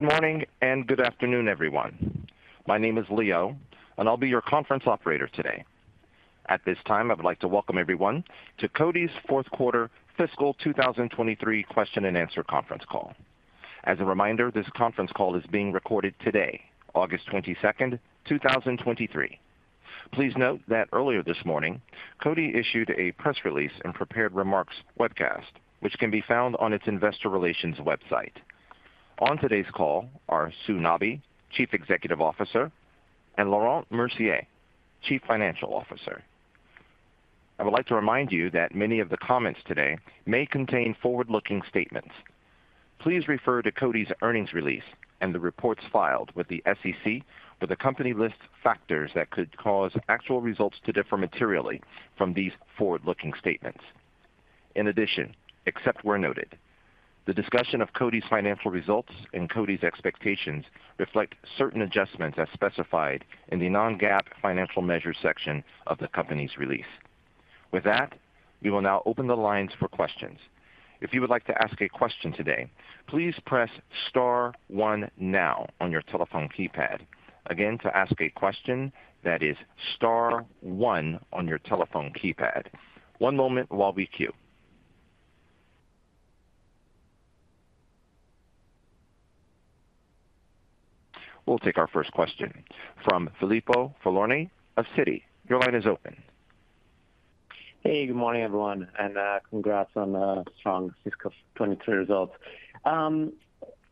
Good morning and good afternoon, everyone. My name is Leo, and I'll be your conference operator today. At this time, I would like to welcome everyone to Coty's Q4 fiscal 2023 question and answer conference call. As a reminder, this conference call is being recorded today, August 22, 2023. Please note that earlier this morning, Coty issued a press release and prepared remarks webcast, which can be found on its investor relations website. On today's call are Sue Nabi, Chief Executive Officer, and Laurent Mercier, Chief Financial Officer. I would like to remind you that many of the comments today may contain forward-looking statements. Please refer to Coty's earnings release and the reports filed with the SEC, where the company lists factors that could cause actual results to differ materially from these forward-looking statements. In addition, except where noted, the discussion of Coty's financial results and Coty's expectations reflect certain adjustments as specified in the non-GAAP financial measures section of the company's release. With that, we will now open the lines for questions. If you would like to ask a question today, please press star one now on your telephone keypad. Again, to ask a question, that is star one on your telephone keypad. One moment while we queue. We'll take our first question from Filippo Falorni of Citi. Your line is open. Hey, good morning, everyone, congrats on a strong fiscal 2023 results.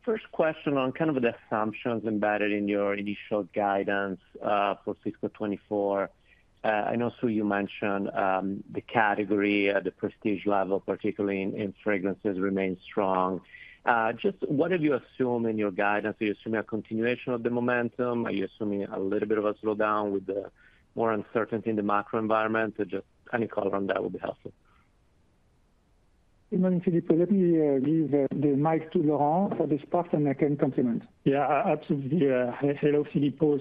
First question on kind of the assumptions embedded in your initial guidance for fiscal 2024. I know, Sue, you mentioned the category at the prestige level, particularly in, in fragrances, remains strong. Just what have you assumed in your guidance? Are you assuming a continuation of the momentum? Are you assuming a little bit of a slowdown with the more uncertainty in the macro environment? Just any color on that would be helpful. Good morning, Filippo. Let me give the mic to Laurent for this part, I can complement. Yeah, absolutely. Hello, Filippo.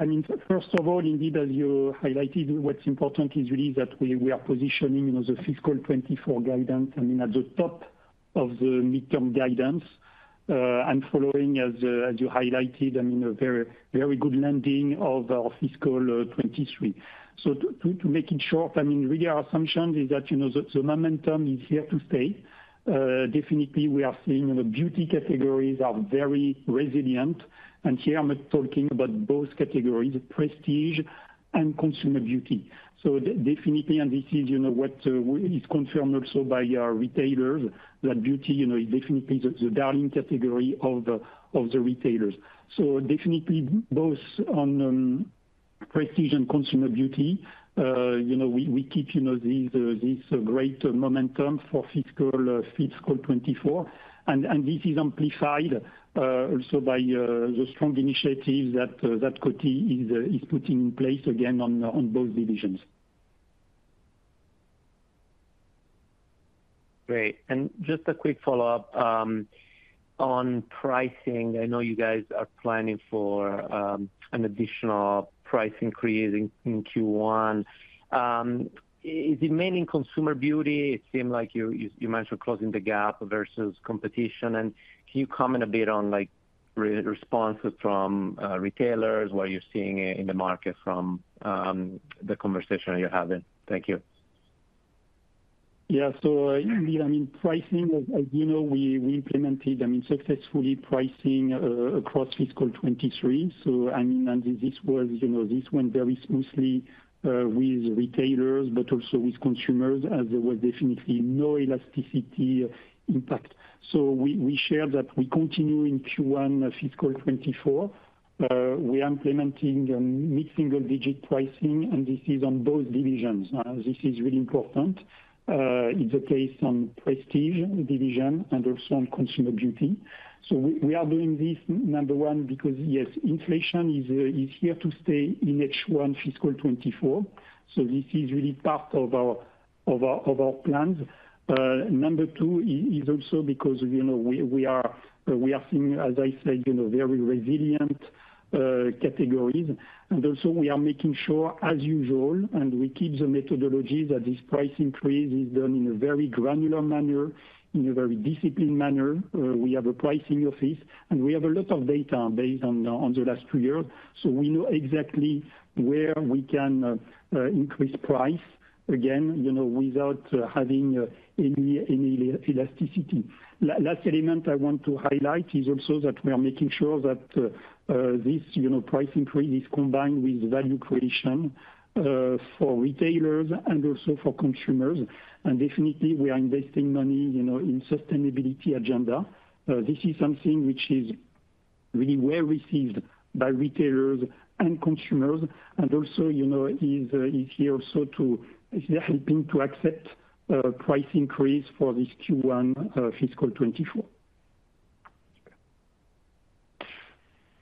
I mean, first of all, indeed, as you highlighted, what's important is really that we, we are positioning, you know, the fiscal 2024 guidance, I mean, at the top of the midterm guidance, and following, as you highlighted, I mean, a very, very good landing of our fiscal 2023. To, make it short, I mean, really our assumptions is that, you know, the, the momentum is here to stay. Definitely, we are seeing the beauty categories are very resilient, and here I'm talking about both categories, prestige and consumer beauty. Definitely, and this is, you know, what is confirmed also by our retailers, that beauty, you know, is definitely the, the darling category of the, of the retailers. Definitely both on prestige and consumer beauty, you know, we, we keep, you know, this great momentum for fiscal 24. This is amplified also by the strong initiatives that Coty is putting in place again on the on both divisions. Great. Just a quick follow-up on pricing. I know you guys are planning for an additional price increase in Q1. Is it mainly in consumer beauty? It seemed like you, you, you mentioned closing the gap versus competition. Can you comment a bit on, like, responses from retailers, what you're seeing in the market from the conversation you're having? Thank you. Indeed, I mean, pricing, as, as you know, we, we implemented, I mean, successfully pricing across fiscal 2023. I mean, this was, you know, this went very smoothly with retailers, but also with consumers, as there was definitely no elasticity impact. We, we share that we continue in Q1 fiscal 2024. We are implementing a mid-single-digit pricing, this is on both divisions. This is really important. It's a place on prestige division and also on consumer beauty. We, we are doing this, number one, because, yes, inflation is here to stay in H1 fiscal 2024, this is really part of our, of our, of our plans. Number two is, is also because, you know, we, we are seeing, as I said, you know, very resilient categories. Also we are making sure, as usual, and we keep the methodology, that this price increase is done in a very granular manner, in a very disciplined manner. We have a pricing office, and we have a lot of data based on, on the last two years, so we know exactly where we can increase price again, you know, without having any, any elasticity. Last element I want to highlight is also that we are making sure that this, you know, price increase is combined with value creation, for retailers and also for consumers, and definitely we are investing money, you know, in sustainability agenda. This is something which is really well received by retailers and consumers, and also, you know, is here also to helping to accept price increase for this Q1 fiscal 2024.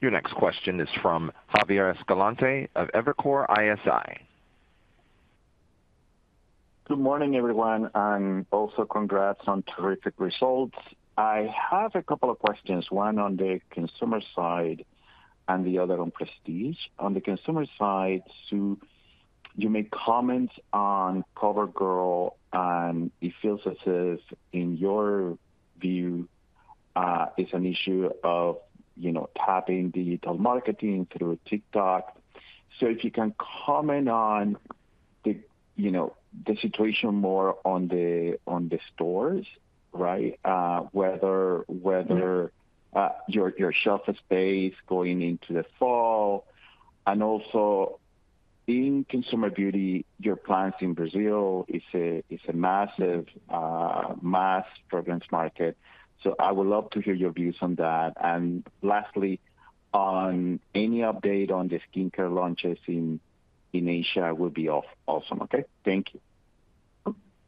Your next question is from Javier Escalante of Evercore ISI. Good morning, everyone, and also congrats on terrific results. I have a couple of questions, one on the consumer side and the other on prestige. On the consumer side, You made comments on CoverGirl, and it feels as if, in your view, it's an issue of, you know, tapping digital marketing through TikTok. If you can comment on the, you know, the situation more on the, on the stores, right? Whether your, your shelf space going into the fall, and also in consumer beauty, your clients in Brazil is a, is a massive, mass programs market. I would love to hear your views on that. Lastly, on any update on the skincare launches in Asia will be awesome. Okay? Thank you.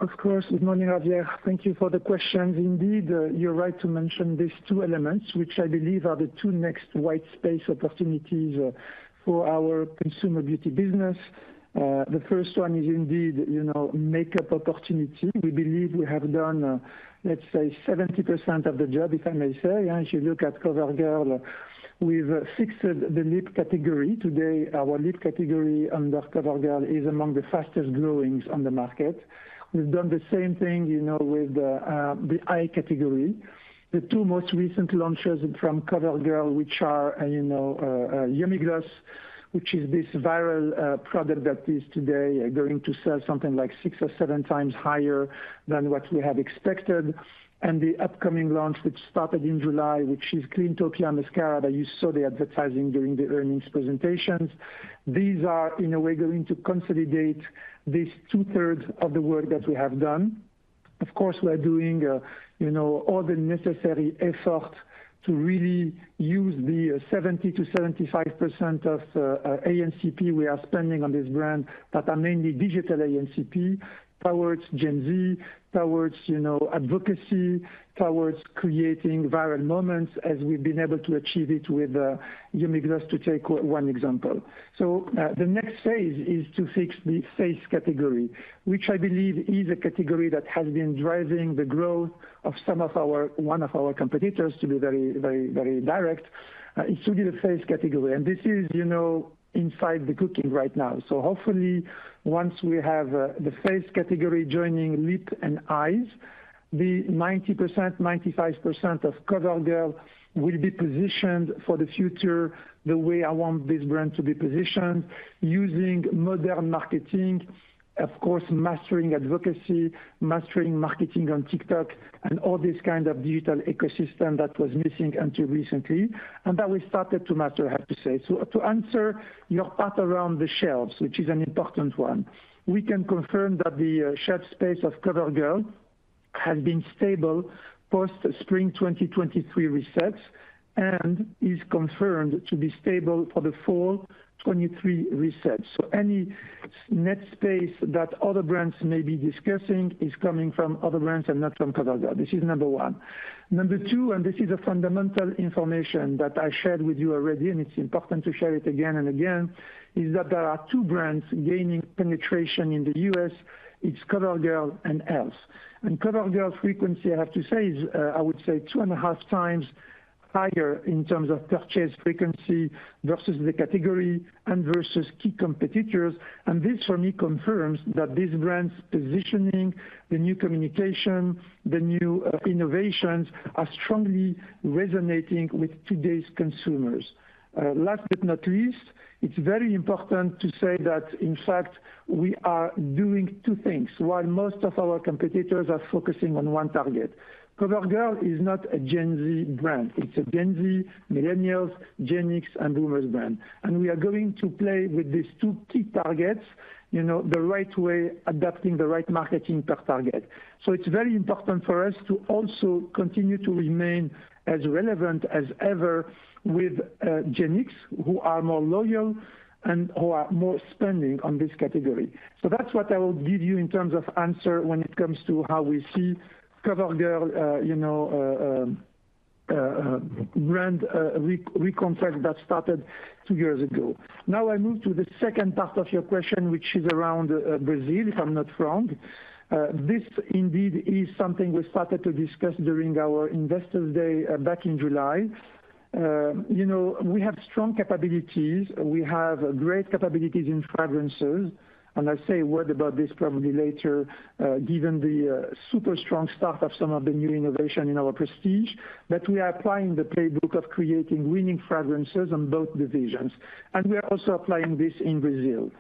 Of course. Good morning, Javier. Thank you for the questions. Indeed, you're right to mention these two elements, which I believe are the two next white space opportunities for our consumer beauty business. The first one is indeed, you know, makeup opportunity. We believe we have done, let's say, 70% of the job, if I may say. As you look at CoverGirl, we've fixed the lip category. Today, our lip category under CoverGirl is among the fastest growings on the market. We've done the same thing, you know, with the eye category. The two most recent launches from CoverGirl, which are, you know, Yummy Gloss, which is this viral product that is today going to sell something like 6 or 7x higher than what we had expected. The upcoming launch, which started in July, which is Cleantopia Mascara, that you saw the advertising during the earnings presentations. These are, in a way, going to consolidate this 2/3 of the work that we have done. Of course, we are doing, you know, all the necessary effort to really use the 70% to 75% of A&CP we are spending on this brand, that are mainly digital A&CP, towards Gen Z, towards, you know, advocacy, towards creating viral moments as we've been able to achieve it with Yummy Gloss, to take one example. The next phase is to fix the face category, which I believe is a category that has been driving the growth of some of our-- one of our competitors, to be very, very, very direct. It should be the face category, this is, you know, inside the cooking right now. Hopefully, once we have the face category joining lip and eyes, the 90%-95% of CoverGirl will be positioned for the future the way I want this brand to be positioned, using modern marketing, of course, mastering advocacy, mastering marketing on TikTok, all this kind of digital ecosystem that was missing until recently, that we started to master, I have to say. To answer your part around the shelves, which is an important one, we can confirm that the shelf space of CoverGirl has been stable post spring 2023 resets, is confirmed to be stable for the fall 2023 resets. Any net space that other brands may be discussing is coming from other brands and not from CoverGirl. This is number one. Number two, this is a fundamental information that I shared with you already, and it's important to share it again and again, is that there are two brands gaining penetration in the U.S.: It's CoverGirl and e.l.f.. CoverGirl frequency, I have to say, is, I would say 2.5x higher in terms of purchase frequency versus the category and versus key competitors. This, for me, confirms that this brand's positioning, the new communication, the new innovations, are strongly resonating with today's consumers. Last but not least, it's very important to say that, in fact, we are doing two things, while most of our competitors are focusing on one target. CoverGirl is not a Gen Z brand. It's a Gen Z, millennials, Gen X, and boomers brand. We are going to play with these two key targets, you know, the right way, adapting the right marketing per target. It's very important for us to also continue to remain as relevant as ever with Gen X, who are more loyal and who are more spending on this category. That's what I will give you in terms of answer when it comes to how we see CoverGirl, you know, brand recontract that started two years ago. I move to the second part of your question, which is around Brazil, if I'm not wrong. This indeed is something we started to discuss during our Investor Day, back in July. You know, we have strong capabilities. We have great capabilities in fragrances, and I'll say a word about this probably later, given the super strong start of some of the new innovation in our prestige, that we are applying the playbook of creating winning fragrances on both divisions, and we are also applying this in Brazil.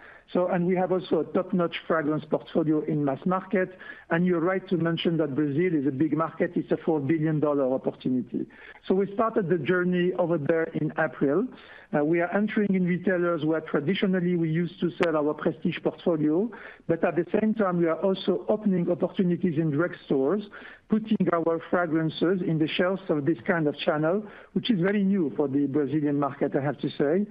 We have also a top-notch fragrance portfolio in mass market, and you're right to mention that Brazil is a big market. It's a $4 billion opportunity. We started the journey over there in April. We are entering in retailers where traditionally we used to sell our prestige portfolio, but at the same time, we are also opening opportunities in drugstores, putting our fragrances in the shelves of this kind of channel, which is very new for the Brazilian market, I have to say.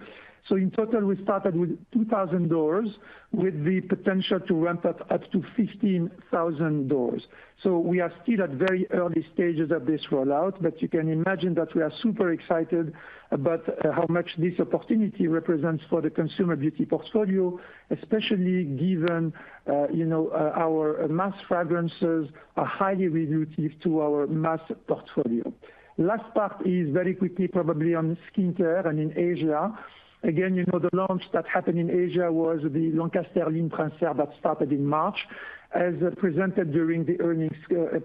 In total, we started with 2,000 doors, with the potential to ramp up up to 15,000 doors. We are still at very early stages of this rollout, but you can imagine that we are super excited about how much this opportunity represents for the consumer beauty portfolio, especially given, you know, our mass fragrances are highly reductive to our mass portfolio. Last part is very quickly, probably on skincare and in Asia. Again, you know, the launch that happened in Asia was the Lancaster Ligne Princière that started in March. As presented during the earnings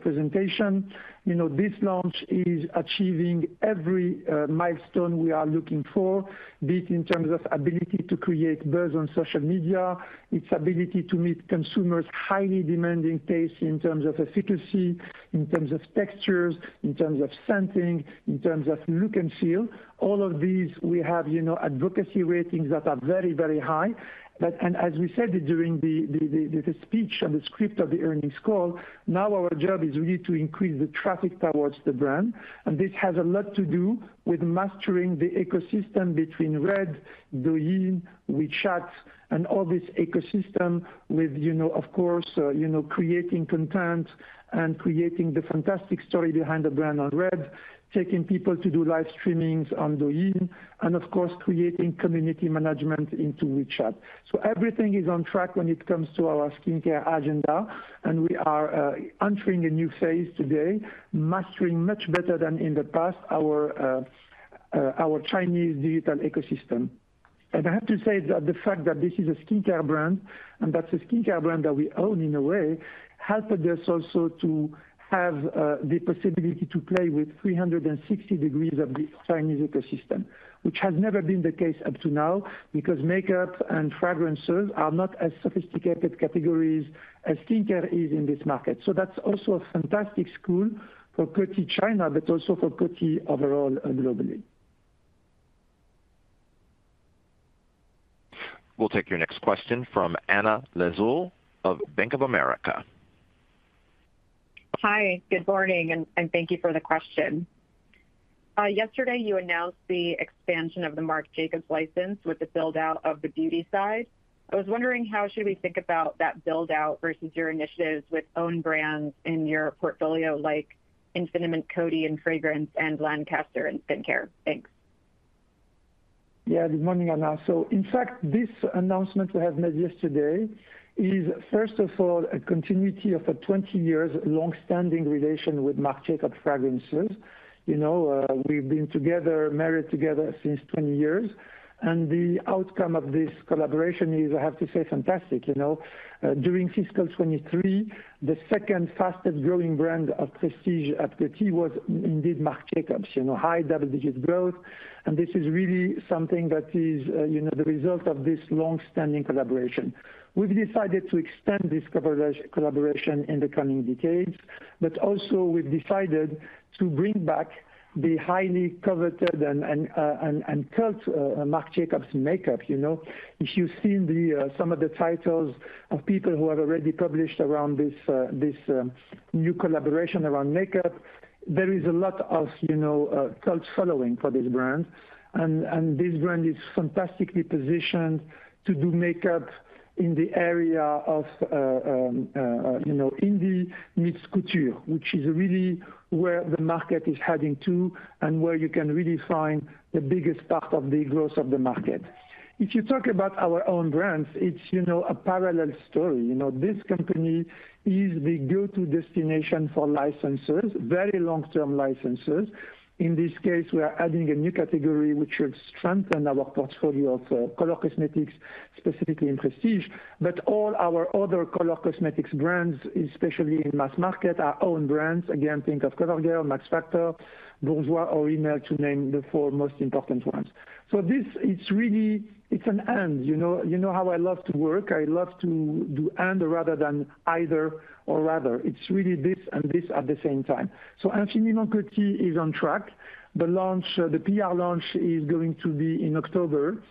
presentation, you know, this launch is achieving every milestone we are looking for, be it in terms of ability to create buzz on social media, its ability to meet consumers' highly demanding taste in terms of efficacy, in terms of textures, in terms of scenting, in terms of look and feel. All of these, we have, you know, advocacy ratings that are very, very high. As we said during the speech and the script of the earnings call, now our job is really to increase the traffic towards the brand. This has a lot to do with mastering the ecosystem between Xiaohongshu, Douyin, WeChat, and all this ecosystem with, you know, of course, you know, creating content and creating the fantastic story behind the brand on Xiaohongshu, taking people to do live streamings on Douyin, and of course, creating community management into WeChat. Everything is on track when it comes to our skincare agenda, and we are entering a new phase today, mastering much better than in the past, our Chinese digital ecosystem. I have to say that the fact that this is a skincare brand, and that's a skincare brand that we own in a way, helped us also to have the possibility to play with 360 degrees of the Chinese ecosystem, which has never been the case up to now, because makeup and fragrances are not as sophisticated categories as skincare is in this market. That's also a fantastic school for Coty China, but also for Coty overall, globally. We'll take your next question from Anna Lizzul of Bank of America. Hi, good morning, and thank you for the question. Yesterday, you announced the expansion of the Marc Jacobs license with the build-out of the beauty side. I was wondering, how should we think about that build-out versus your initiatives with own brands in your portfolio, like Infiniment Coty in fragrance and Lancaster in skincare? Thanks. Good morning, Anna. In fact, this announcement we have made yesterday is, first of all, a continuity of a 20 years long-standing relation with Marc Jacobs Fragrances. You know, we've been together, married together since 20 years, and the outcome of this collaboration is, I have to say, fantastic, you know. During fiscal 2023, the second fastest growing brand of prestige at Coty was indeed Marc Jacobs, you know, high double-digit growth, and this is really something that is, you know, the result of this long-standing collaboration. We've decided to extend this collaboration in the coming decades, also we've decided to bring back the highly coveted and, and, and, and cult, Marc Jacobs makeup, you know? If you've seen the some of the titles of people who have already published around this, this new collaboration around makeup, there is a lot of, you know, cult following for this brand, and this brand is fantastically positioned to do makeup in the area of, you know, indie meets couture, which is really where the market is heading to and where you can really find the biggest part of the growth of the market. If you talk about our own brands, it's, you know, a parallel story. You know, this company is the go-to destination for licensors, very long-term licensors. In this case, we are adding a new category, which will strengthen our portfolio for color cosmetics, specifically in prestige. All our other color cosmetics brands, especially in mass market, are own brands. Think of CoverGirl, Max Factor, Bourjois, or Rimmel, to name the four most important ones. This, it's really, it's an and, you know? You know how I love to work. I love to do and rather than either or rather. It's really this and this at the same time. Infiniment Coty is on track. The launch, the PR launch is going to be in October,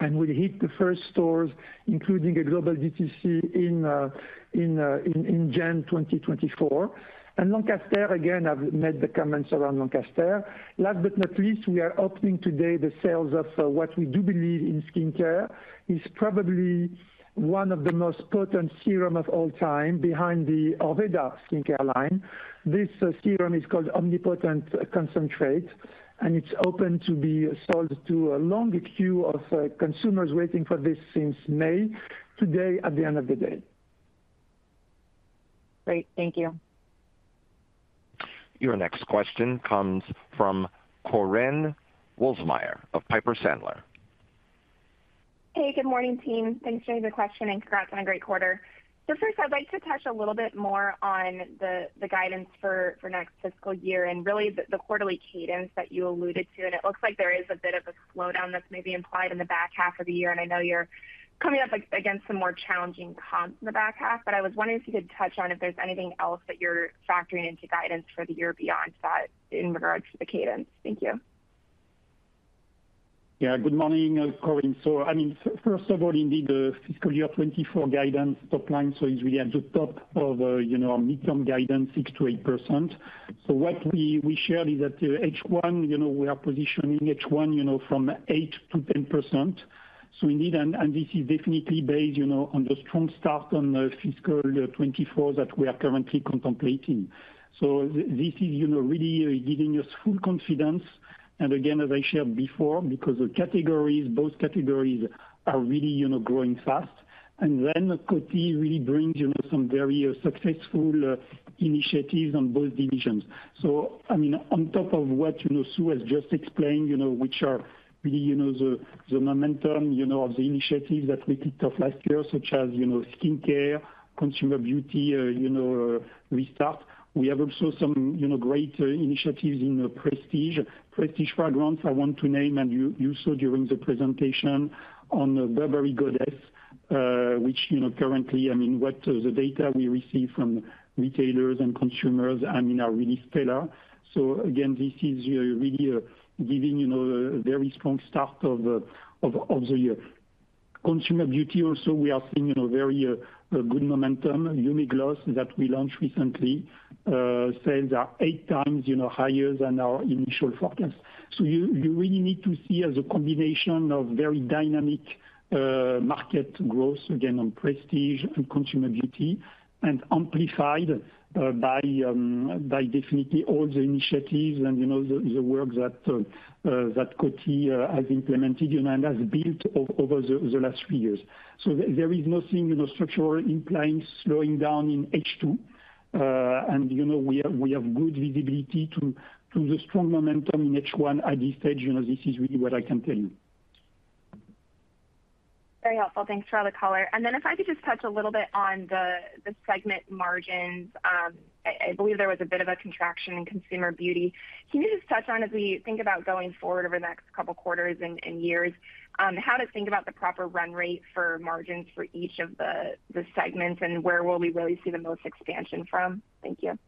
and we'll hit the first stores, including a global DTC in January 2024. Lancaster, again, I've made the comments around Lancaster. Last but not least, we are opening today the sales of what we do believe in skincare, is probably one of the most potent serum of all time behind the Orveda skincare line. This serum is called Omnipotent Concentrate, and it's open to be sold to a long queue of consumers waiting for this since May, today at the end of the day. Great. Thank you. Your next question comes from Korinne Wolfmeyer of Piper Sandler. Hey, good morning, team. Thanks for the question, and congrats on a great quarter. First, I'd like to touch a little bit more on the, the guidance for, for next fiscal year and really the, the quarterly cadence that you alluded to. It looks like there is a bit of a slowdown that's maybe implied in the back half of the year, and I know you're coming up like against some more challenging comps in the back half. I was wondering if you could touch on if there's anything else that you're factoring into guidance for the year beyond that in regards to the cadence. Thank you. Good morning, Korinne. I mean, first of all, indeed, the fiscal year 2024 guidance top line is really at the top of, you know, our midterm guidance, 6% to 8%. What we, we shared is that H1, you know, we are positioning H1, you know, from 8% to 10%. Indeed, and this is definitely based, you know, on the strong start on the fiscal year 2024 that we are currently contemplating. This is, you know, really giving us full confidence, and again, as I shared before, because the categories, both categories are really, you know, growing fast. Coty really brings, you know, some very successful initiatives on both divisions. On top of what, you know, Sue Nabi has just explained, you know, which are really, you know, the, the momentum, you know, of the initiatives that we kicked off last year, such as, you know, skincare, consumer beauty, restart. We have also some, you know, great initiatives in prestige. Prestige fragrance, I want to name, and you, you saw during the presentation on the Burberry Goddess, which, you know, currently, I mean, what the data we receive from retailers and consumers, I mean, are really stellar. Again, this is really giving, you know, a very strong start of the year. Consumer beauty also, we are seeing, you know, very good momentum. Yummy Gloss that we launched recently, sales are 8x, you know, higher than our initial forecast. You, you really need to see as a combination of very dynamic market growth, again, on prestige and consumer beauty, and amplified by definitely all the initiatives and, you know, the work that Coty has implemented and has built over the last few years. There, there is nothing, you know, structural implying slowing down in H2. You know, we have, we have good visibility to, to the strong momentum in H1. At this stage, you know, this is really what I can tell you. Very helpful. Thanks for all the color. Then if I could just touch a little bit on the, the segment margins. I believe there was a bit of a contraction in consumer beauty. Can you just touch on, as we think about going forward over the next couple quarters and years, how to think about the proper run rate for margins for each of the, the segments, and where will we really see the most expansion from? Thank you.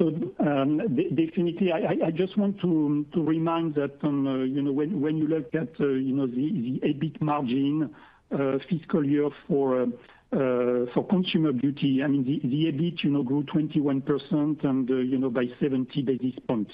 Definitely, I just want to remind that, you know, when, when you look at, you know, the, the EBIT margin, fiscal year for, for consumer beauty, I mean, the, the EBIT, you know, grew 21% and, you know, by 70 basis points.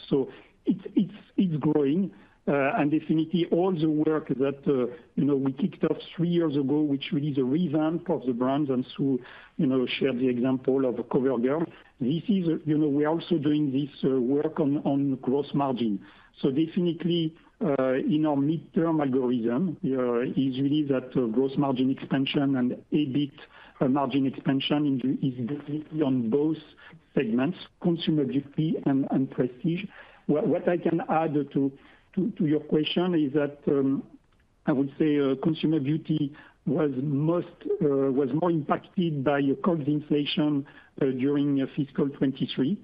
It's, it's, it's growing, and definitely all the work that, you know, we kicked off three years ago, which really the revamp of the brands and Sue, you know, shared the example of CoverGirl. This is, you know, we are also doing this work on, on gross margin. Definitely, in our midterm algorithm, is really that gross margin expansion and EBIT margin expansion is definitely on both segments, consumer beauty and prestige. What, what I can add to, to, to your question is that, I would say consumer beauty was most, was more impacted by COVID inflation, during fiscal 2023.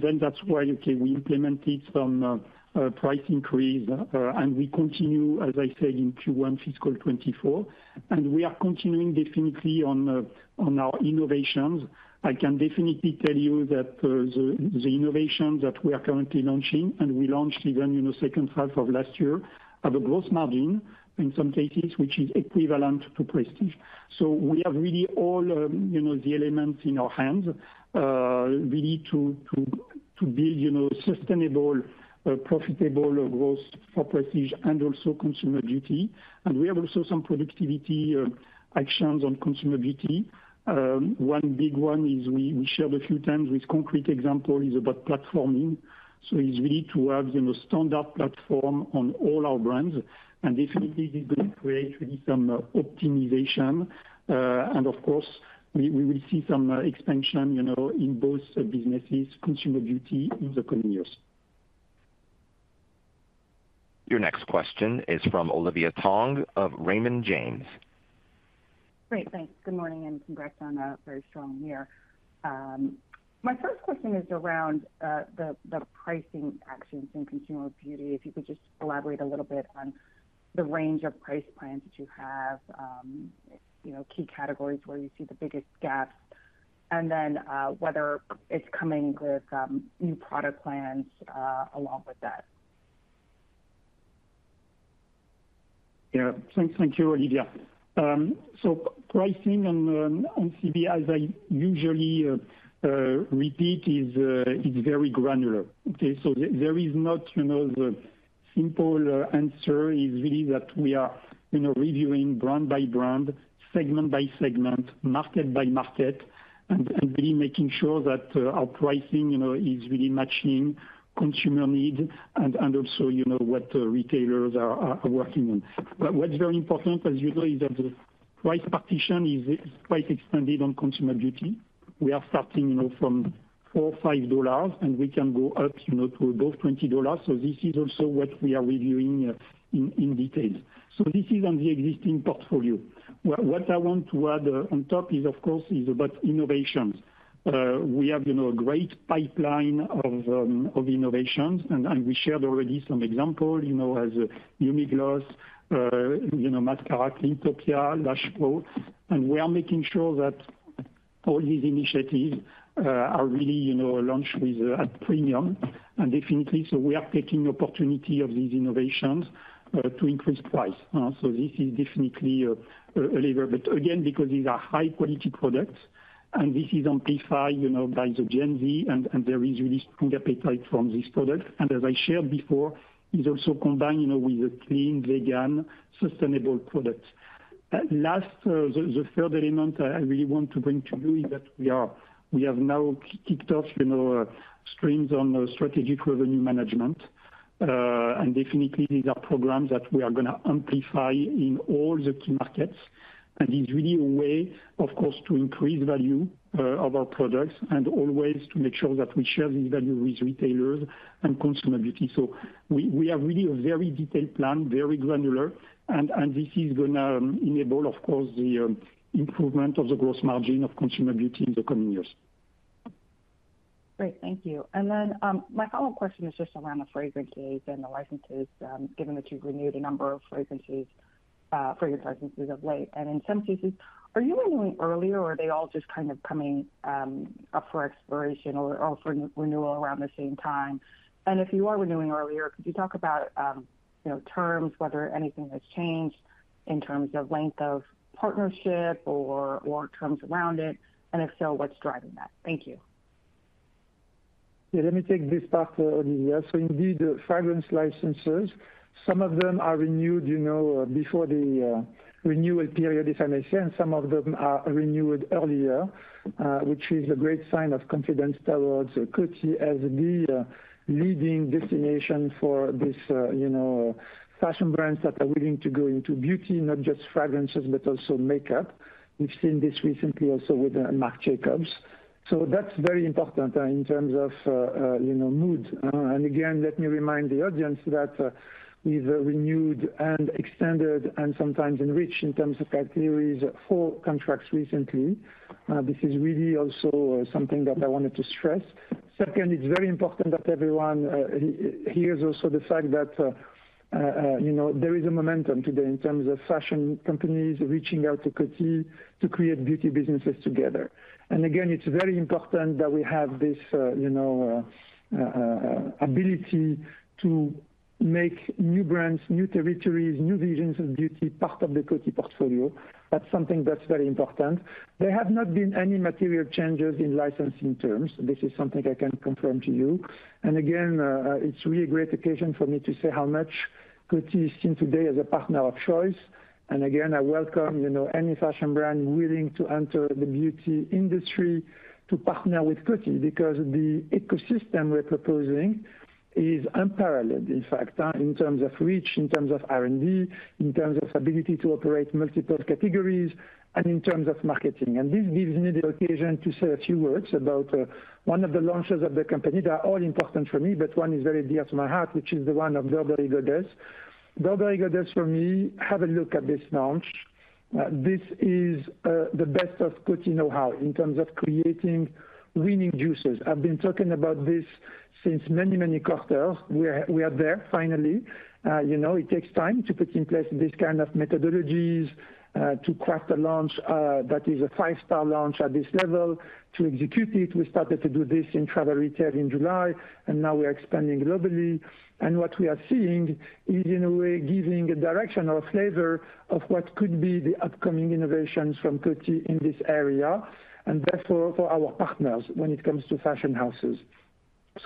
Then that's why, we implemented some price increase, and we continue, as I said, in Q1 fiscal 2024, and we are continuing definitely on our innovations. I can definitely tell you that, the, the innovations that we are currently launching, and we launched even, you know, second half of last year, have a gross margin in some cases, which is equivalent to prestige. We have really all, you know, the elements in our hands, really to, build, you know, sustainable, profitable growth for prestige and also consumer beauty. We have also some productivity actions on consumer beauty. One big one is we, we shared a few times with concrete example, is about platforming. It's really to have, you know, standard platform on all our brands, and definitely this is going to create really some optimization. Of course, we, we will see some expansion, you know, in both businesses, consumer beauty in the coming years. Your next question is from Olivia Tong of Raymond James. Great, thanks. Good morning. Congrats on a very strong year. My first question is around the pricing actions in consumer beauty. If you could just elaborate a little bit on the range of price plans that you have, you know, key categories where you see the biggest gaps, then whether it's coming with new product plans along with that. Thanks. Thank you, Olivia. Pricing on CB, as I usually repeat, is very granular. There is not, you know, the simple answer is really that we are, you know, reviewing brand by brand, segment by segment, market by market, and really making sure that our pricing, you know, is really matching consumer needs and also you know, what retailers are working on. What's very important, as you know, is that price partition is quite expanded on consumer beauty. We are starting, you know, from $4 or $5, and we can go up, you know, to above $20. This is also what we are reviewing in detail. This is on the existing portfolio. What I want to add on top is, of course, about innovations. We have, you know, a great pipeline of innovations, and we shared already some example, you know, as Yummy Gloss, you know, Mascara, cleantopia, Lash Blast. We are making sure that all these initiatives are really, you know, launched with at premium and definitely, so we are taking opportunity of these innovations to increase price. This is definitely a lever, but again, because these are high-quality products, and this is amplified, you know, by the Gen Z, and there is really strong appetite from this product. As I shared before, is also combined, you know, with a clean, vegan, sustainable product. Last, the third element I really want to bring to you is that we have now kicked off, you know, streams on strategic revenue management. Definitely these are programs that we are going to amplify in all the key markets, and is really a way, of course, to increase value of our products and always to make sure that we share the value with retailers and consumer beauty. We, we have really a very detailed plan, very granular, and, and this is going to enable, of course, the improvement of the gross margin of consumer beauty in the coming years. Great, thank you. Then, my follow-up question is just around the fragrances and the licenses, given that you've renewed a number of fragrances, fragrance licenses of late, and in some cases, are you renewing earlier or are they all just kind of coming up for expiration or, or for renewal around the same time? If you are renewing earlier, could you talk about, you know, terms, whether anything has changed in terms of length of partnership or, or terms around it, and if so, what's driving that? Thank you. Let me take this part, Olivia. Indeed, fragrance licenses, some of them are renewed, you know, before the renewal period, if I may say, and some of them are renewed earlier, which is a great sign of confidence towards Coty as the leading destination for this, you know, fashion brands that are willing to go into beauty, not just fragrances, but also makeup. We've seen this recently also with Marc Jacobs. That's very important in terms of, you know, mood. Again, let me remind the audience that we've renewed and extended and sometimes enriched in terms of categories, 4 contracts recently. This is really also something that I wanted to stress. Second, it's very important that everyone hears also the fact that, you know, there is a momentum today in terms of fashion companies reaching out to Coty to create beauty businesses together. Again, it's very important that we have this, you know, ability to make new brands, new territories, new visions of beauty, part of the Coty portfolio. That's something that's very important. There have not been any material changes in licensing terms. This is something I can confirm to you. Again, it's really a great occasion for me to say how much Coty is seen today as a partner of choice. Again, I welcome, you know, any fashion brand willing to enter the beauty industry to partner with Coty, because the ecosystem we're proposing is unparalleled, in fact, in terms of reach, in terms of R&D, in terms of ability to operate multiple categories, and in terms of marketing. This gives me the occasion to say a few words about one of the launches of the company that are all important for me, but one is very dear to my heart, which is the one of Dolce & Gabbana. Dolce & Gabbana, for me, have a look at this launch. This is the best of Coty know-how in terms of creating winning juices. I've been talking about this since many, many quarters. We are, we are there finally. You know, it takes time to put in place this kind of methodologies, to craft a launch that is a five-star launch at this level. To execute it, we started to do this in travel retail in July, and now we are expanding globally. What we are seeing is, in a way, giving a direction or a flavor of what could be the upcoming innovations from Coty in this area, and therefore for our partners when it comes to fashion houses.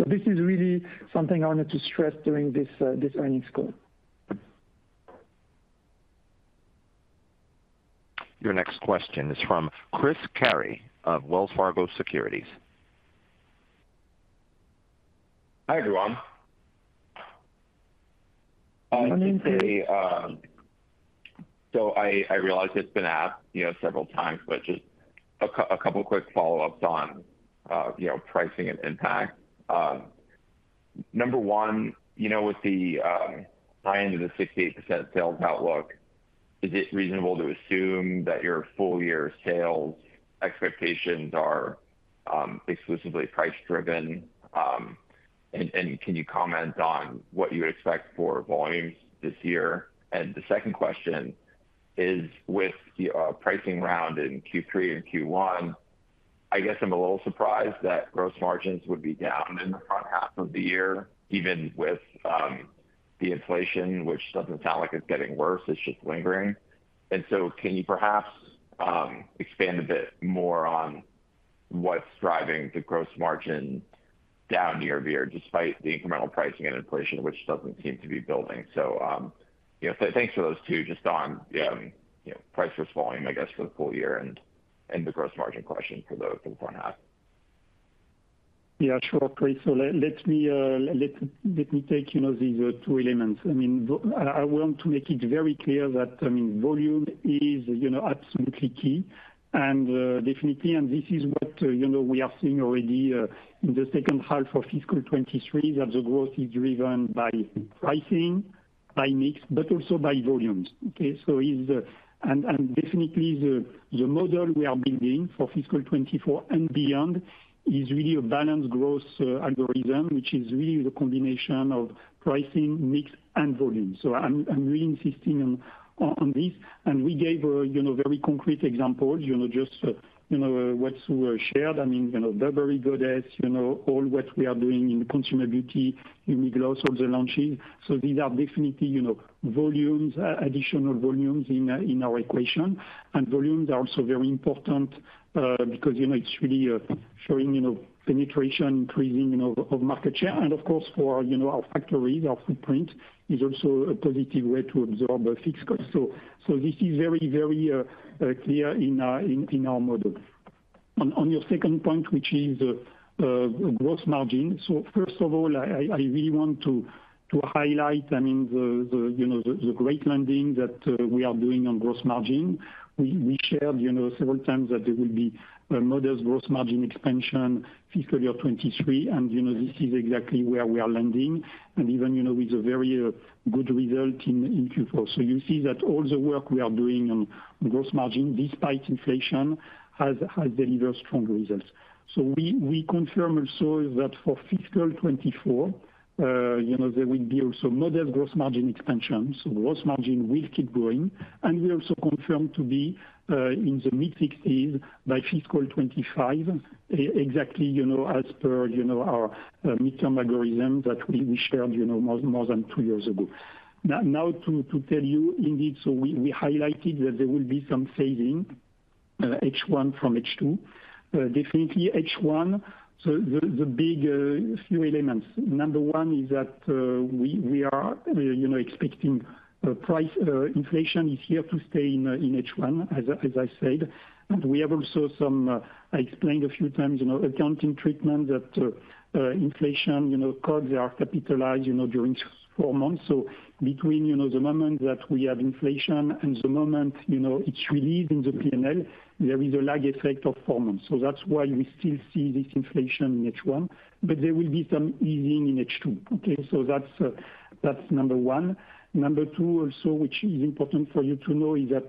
This is really something I wanted to stress during this earnings call. Your next question is from Chris Carey of Wells Fargo Securities. Hi, everyone. I realize it's been asked, you know, several times, but just a couple quick follow-ups on, you know, pricing and impact. Number one, you know, with the high end of the 68% sales outlook, is it reasonable to assume that your full year sales expectations are exclusively price driven? Can you comment on what you expect for volumes this year? The second question is, with the pricing round in Q3 and Q1, I guess I'm a little surprised that gross margins would be down in the front half of the year, even with the inflation, which doesn't sound like it's getting worse, it's just lingering. Can you perhaps expand a bit more on what's driving the gross margin down year-over-year, despite the incremental pricing and inflation, which doesn't seem to be building? You know, thanks for those two, just on, you know, price versus volume, I guess, for the full year and, and the gross margin question for the, the front half. Sure, Chris. Let me, let me take, you know, these two elements. I want to make it very clear that, I mean, volume is, you know, absolutely key and, definitely, and this is what, you know, we are seeing already, in the second half of fiscal 2023, that the growth is driven by pricing, by mix, but also by volumes, okay? Definitely the model we are building for fiscal 2024 and beyond is really a balanced growth algorithm, which is really the combination of pricing, mix, and volume. I'm really insisting on, on, on this, and we gave a, you know, very concrete examples, you know, just, you know, what we shared. I mean, you know, Burberry Goddess, you know, all what we are doing in consumer beauty, in mid-gloss, all the launching. These are definitely, you know, volumes, additional volumes in our equation. Volumes are also very important because, you know, it's really showing, you know, penetration, increasing, you know, of market share. Of course, for, you know, our factories, our footprint is also a positive way to absorb the fixed cost. This is very, very clear in our, in, in our model. On, on your second point, which is gross margin. First of all, I really want to, to highlight, I mean, the, the, you know, the, the great landing that we are doing on gross margin. We, we shared, you know, several times that there will be a modest gross margin expansion, fiscal year 2023, and, you know, this is exactly where we are landing. Even, you know, with a very good result in Q4. You see that all the work we are doing on gross margin, despite inflation, has, has delivered strong results. We, we confirm also that for fiscal 2024, you know, there will be also modest gross margin expansion, so gross margin will keep growing. We also confirm to be in the mid-60s by fiscal 2025, exactly, you know, as per, you know, our midterm algorithm that we, we shared, you know, more, more than two years ago. Now, now to, to tell you, indeed, we, we highlighted that there will be some phasing H1 from H2. Definitely H1, the big few elements. Number one is that we are, you know, expecting price inflation is here to stay in H1, as I said. We have also some, I explained a few times, you know, accounting treatment that inflation, you know, costs are capitalized, you know, during four months. Between, you know, the moment that we have inflation and the moment, you know, it's relieved in the P&L, there is a lag effect of four months. That's why we still see this inflation in H1, but there will be some easing in H2, okay? That's number one. Number two, also, which is important for you to know, is that,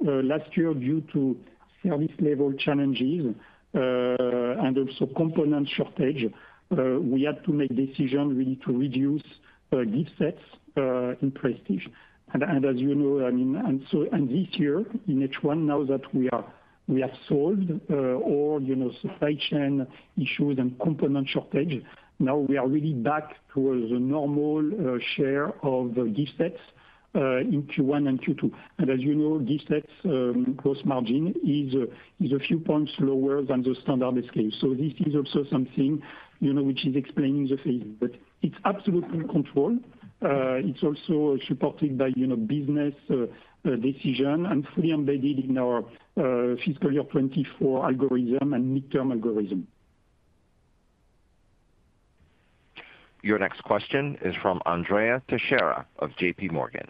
last year, due to service level challenges, and also component shortage, we had to make decision really to reduce gift sets in prestige. As you know, I mean, this year, in H1, now that we are, we have solved, all, you know, supply chain issues and component shortage, now we are really back towards a normal share of the gift sets in Q1 and Q2. As you know, gift sets, gross margin is a few points lower than the standard scale. This is also something, you know, which is explaining the phase, but it's absolutely in control. It's also supported by, you know, business, decision and fully embedded in our fiscal year 2024 algorithm and midterm algorithm. Your next question is from Andrea Teixeira of JP Morgan.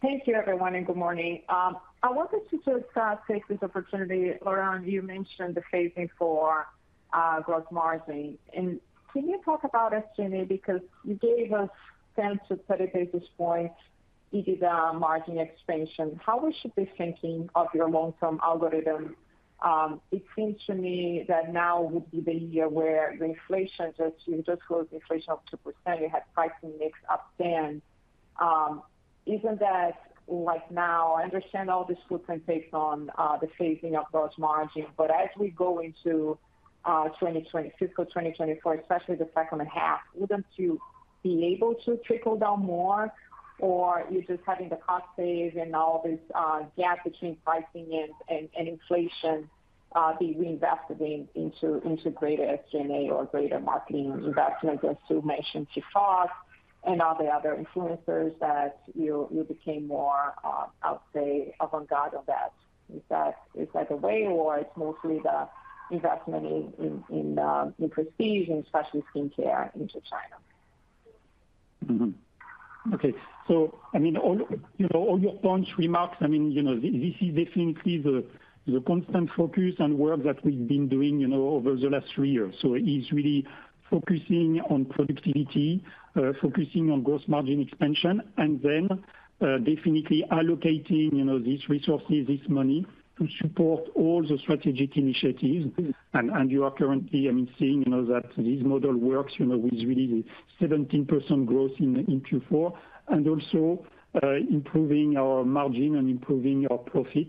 Thank you, everyone, good morning. I wanted to just take this opportunity, Laurent, you mentioned the phasing for gross margin. Can you talk about SG&A? Because you gave a sense of 30 basis points, EBITDA margin expansion. How we should be thinking of your long-term algorithm? It seems to me that now would be the year where the inflation, just, you just closed inflation of 2%, you had pricing mix up stand. Isn't that like now, I understand all this footprint based on the phasing of those margins, but as we go into fiscal 2024, especially the second half, wouldn't you be able to trickle down more? You're just having the cost save and all this gap between pricing and inflation be reinvested in, into, into greater SG&A or greater marketing investment, as you mentioned, she thought, and all the other influencers that you, you became more, I'll say, avant-garde of that. Is that, is that the way, or it's mostly the investment in prestige and especially skincare into China? Okay. All, you know, all your points, remarks, I mean, you know, this is definitely the, the constant focus and work that we've been doing, you know, over the last three years. It's really focusing on productivity, focusing on gross margin expansion, and then definitely allocating, you know, these resources, this money to support all the strategic initiatives. You are currently, I mean, seeing, you know, that this model works, you know, with really 17% growth in Q4, and also improving our margin and improving our profit.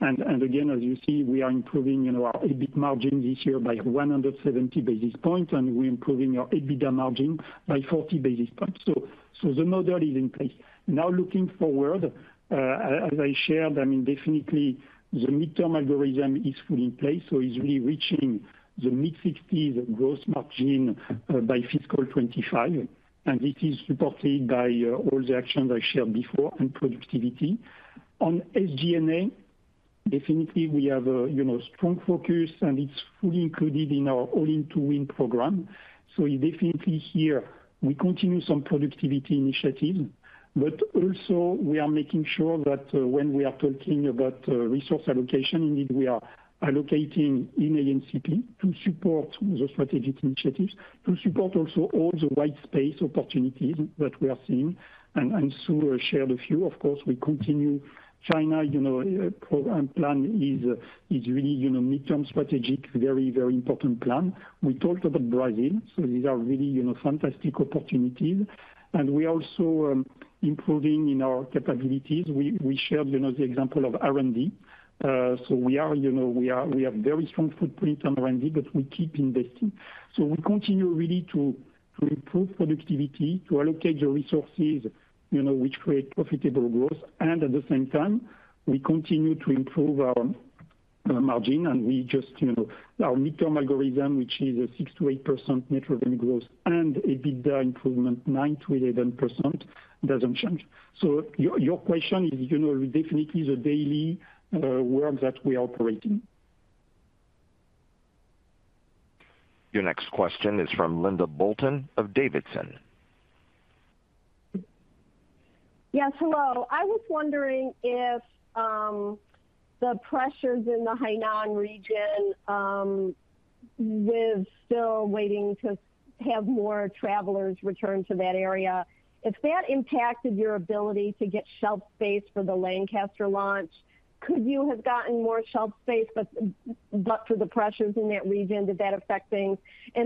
Again, as you see, we are improving, you know, our EBIT margin this year by 170 basis points, and we're improving our EBITDA margin by 40 basis points. The model is in place. Now, looking forward, as I shared, I mean, definitely the midterm algorithm is fully in place, so it's really reaching the mid-60s gross margin by fiscal 25, and this is supported by all the actions I shared before in productivity. On SG&A, definitely, we have a, you know, strong focus, and it's fully included in our All-in to Win program. We definitely here, we continue some productivity initiatives, but also we are making sure that when we are talking about resource allocation, indeed, we are allocating in ANCP to support the strategic initiatives, to support also all the wide space opportunities that we are seeing. Surya shared a few. Of course, we continue China, you know, program plan is, is really, you know, midterm strategic, very, very important plan. We talked about Brazil, these are really, you know, fantastic opportunities. We are also improving in our capabilities. We shared, you know, the example of R&D. We are, you know, we have very strong footprint on R&D, but we keep investing. We continue really to improve productivity, to allocate the resources, you know, which create profitable growth, and at the same time, we continue to improve our margin, and we just, you know, our midterm algorithm, which is a 6% to 8% net organic growth and a EBITDA improvement, 9% to 11%, doesn't change. Your question is, you know, definitely the daily work that we operate in. Your next question is from Linda Bolton-Weiser of Davidson. Yes, hello. I was wondering if the pressures in the Hainan region, with still waiting to have more travelers return to that area, if that impacted your ability to get shelf space for the Lancaster launch, could you have gotten more shelf space, but, but for the pressures in that region, did that affect things?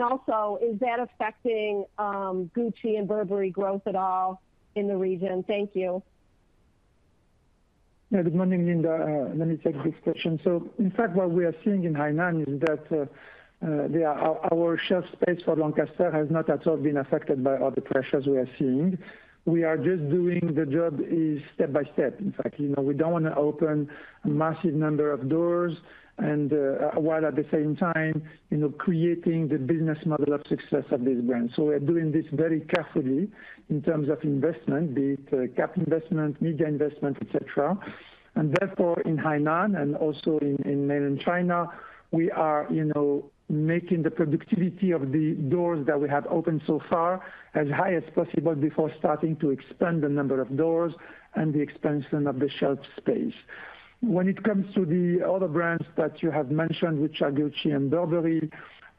Also, is that affecting Gucci and Burberry growth at all in the region? Thank you. Good morning, Linda. Let me take this question. In fact, what we are seeing in Hainan is that the our shelf space for Lancaster has not at all been affected by all the pressures we are seeing. We are just doing the job is step-by-step. In fact, you know, we don't want to open a massive number of doors and, while at the same time, you know, creating the business model of success of this brand. We are doing this very carefully in terms of investment, be it cap investment, media investment, et cetera. Therefore, in Hainan and also in Mainland China, we are, you know, making the productivity of the doors that we have opened so far as high as possible before starting to expand the number of doors and the expansion of the shelf space. When it comes to the other brands that you have mentioned, which are Gucci and Burberry,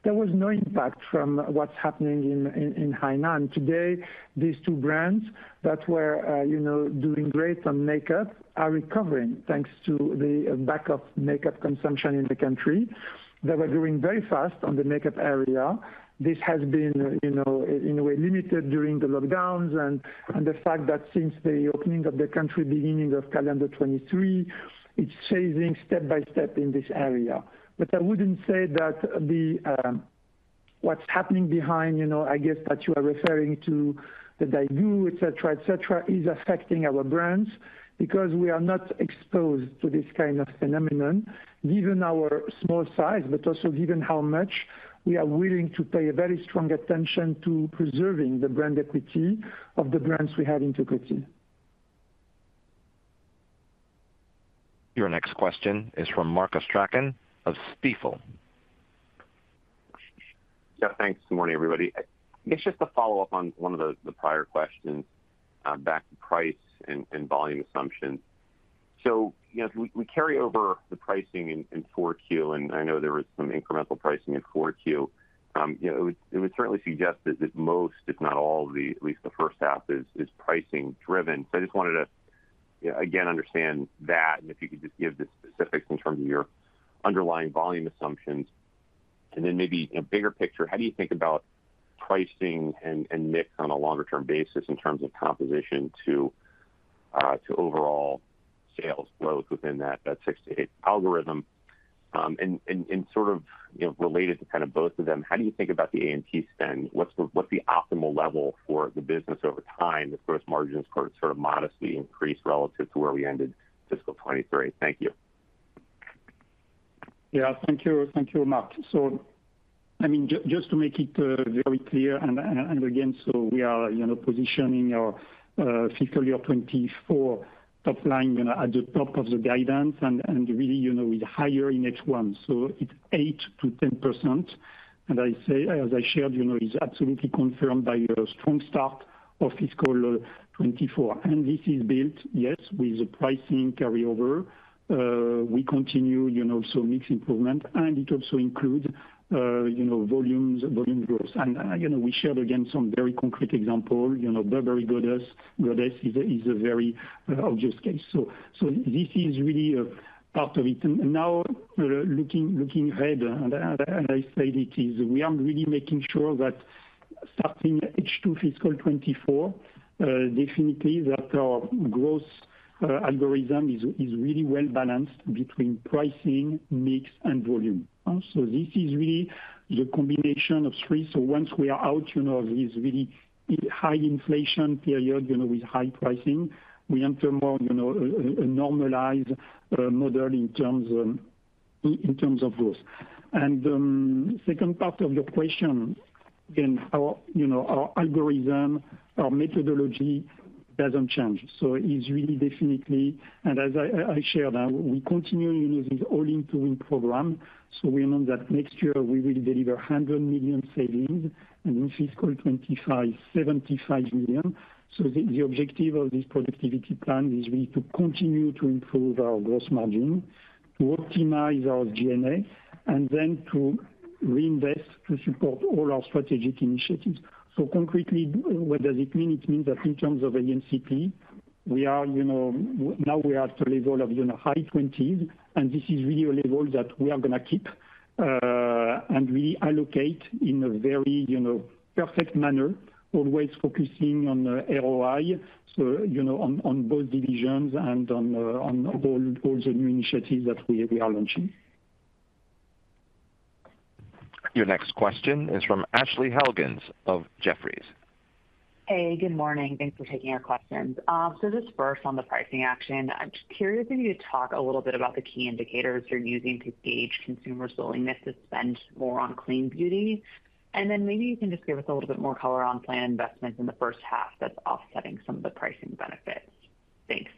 there was no impact from what's happening in, in, in Hainan. Today, these two brands that were, you know, doing great on makeup, are recovering, thanks to the back of makeup consumption in the country. They were growing very fast on the makeup area. This has been, you know, in a way limited during the lockdowns and, and the fact that since the opening of the country, beginning of calendar 2023, it's chasing step-by-step in this area. I wouldn't say that the, what's happening behind, you know, I guess, that you are referring to, the Daigou, et cetera, et cetera, is affecting our brands because we are not exposed to this kind of phenomenon, given our small size, but also given how much we are willing to pay a very strong attention to preserving the brand equity of the brands we have in Kering. Your next question is from Mark Astrachan of Stifel. Thanks. Good morning, everybody. It's just a follow-up on one of the prior questions, back to price and volume assumptions. You know, we carry over the pricing in Q4, and I know there was some incremental pricing in Q4. You know, it would certainly suggest that most, if not all, of the, at least the first half is pricing driven. I just wanted to, again, understand that, and if you could just give the specifics in terms of your underlying volume assumptions, and then maybe a bigger picture, how do you think about pricing and mix on a longer-term basis in terms of composition to overall sales growth within that 6-8 algorithm? Sort of, you know, related to kind of both of them, how do you think about the A&P spend? What's the optimal level for the business over time, as gross margins sort of modestly increase relative to where we ended fiscal 2023? Thank you. Thank you. Thank you, Mark. I mean, just to make it very clear, we are, you know, positioning our fiscal year 2024 top line, you know, at the top of the guidance and, and really, you know, with higher in H1, so it's 8% to 10%. I say, as I shared, you know, is absolutely confirmed by a strong start of fiscal 2024. This is built, yes, with the pricing carryover. We continue, you know, so mix improvement, and it also includes, you know, volumes, volume growth. You know, we shared again, some very concrete example, you know, Burberry Goddess. Goddess is a, is a very obvious case. This is really a part of it. Now, looking, looking ahead, and, and I said it, is we are really making sure that starting H2 fiscal 2024, definitely that our growth algorithm is really well balanced between pricing, mix, and volume. This is really the combination of three. Once we are out, you know, of this really high inflation period, you know, with high pricing, we enter more, you know, a normalized model in terms of those. Second part of your question, again, our, you know, our algorithm, our methodology doesn't change. It's really definitely, and as I, I shared, we continue to use this All-in to Win program. We know that next year we will deliver $100 million savings, and in fiscal 2025, $75 million. The, the objective of this productivity plan is really to continue to improve our gross margin, to optimize our G&A, and then to reinvest, to support all our strategic initiatives. Concretely, what does it mean? It means that in terms of ANCP, we are, you know, now we are at the level of, you know, high twenties, and this is really a level that we are going to keep and really allocate in a very, you know, perfect manner, always focusing on ROI, so, you know, on, on both divisions and on all, all the new initiatives that we, we are launching. Your next question is from Ashley Helgans of Jefferies. Hey, good morning. Thanks for taking our questions. Just first on the pricing action, I'm just curious if you could talk a little bit about the key indicators you're using to gauge consumers' willingness to spend more on clean beauty. Then maybe you can just give us a little bit more color on planned investments in the first half that's offsetting some of the pricing benefits. Thanks.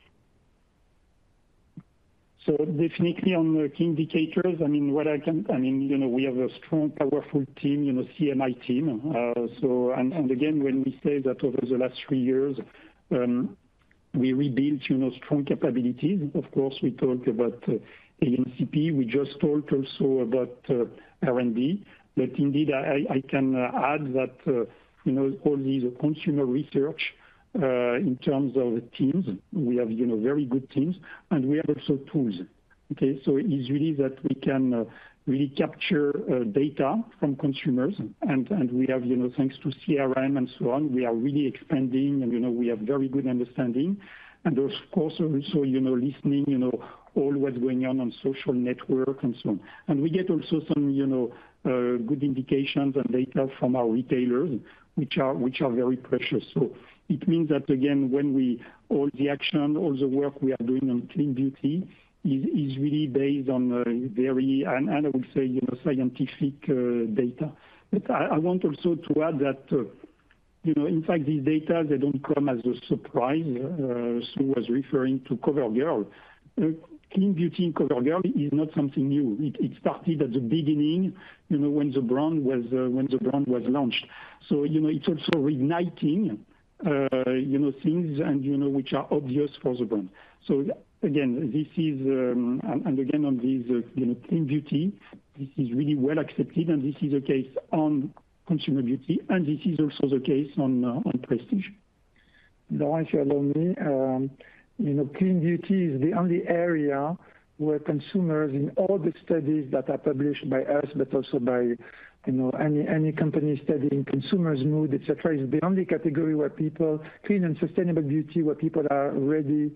Definitely on the key indicators, I mean, what I can, I mean, you know, we have a strong, powerful team, you know, CMI team. Again, when we say that over the last three years, we rebuilt, you know, strong capabilities. Of course, we talked about ANCP, we just talked also about R&D, but indeed, I can add that, you know, all these consumer research, in terms of teams, we have, you know, very good teams, and we have also tools, okay. It's really that we can really capture data from consumers, and we have, you know, thanks to CRM and so on, we are really expanding, and, you know, we have very good understanding. Of course, also, you know, listening, you know, all what's going on on social network and so on. We get also some, you know, good indications and data from our retailers, which are, which are very precious. It means that, again, all the action, all the work we are doing on clean beauty is, is really based on, very, and, and I would say, you know, scientific data. I want also to add that, you know, in fact, these data, they don't come as a surprise. Sue was referring to CoverGirl. Clean beauty in CoverGirl is not something new. It, it started at the beginning, you know, when the brand was, when the brand was launched. You know, it's also reigniting, you know, things and, you know, which are obvious for the brand. Again, this is, and again, on this, you know, clean beauty, this is really well accepted, and this is the case on consumer beauty, and this is also the case on, on prestige. Laurent, if you allow me, you know, clean beauty is the only area where consumers, in all the studies that are published by us, but also by, you know, any, any company studying consumers' mood, et cetera, is the only category where people clean and sustainable beauty, where people are ready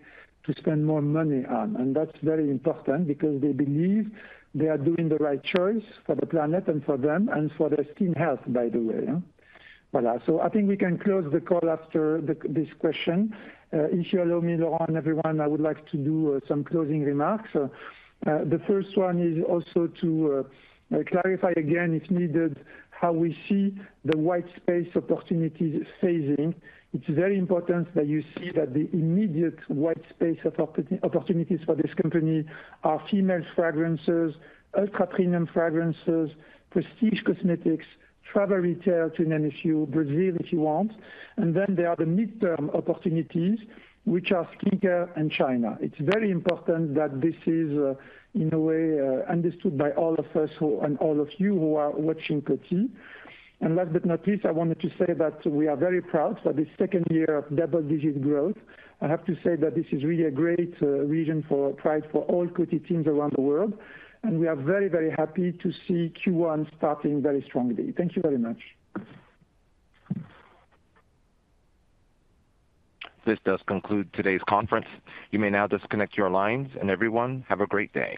to spend more money on. That's very important because they believe they are doing the right choice for the planet and for them, and for their skin health, by the way, yeah. Voilà. I think we can close the call after the, this question. If you allow me, Laurent, everyone, I would like to do some closing remarks. The first one is also to clarify again, if needed, how we see the white space opportunities phasing. It's very important that you see that the immediate white space opportunities for this company are females fragrances, ultra premium fragrances, prestige cosmetics, travel retail, to name a few, Brazil, if you want. Then there are the midterm opportunities, which are skincare and China. It's very important that this is, in a way, understood by all of us who, and all of you who are watching Coty. Last but not least, I wanted to say that we are very proud for this second year of double-digit growth. I have to say that this is really a great reason for pride for all Coty teams around the world, and we are very, very happy to see Q1 starting very strongly. Thank you very much. This does conclude today's conference. You may now disconnect your lines, and everyone, have a great day.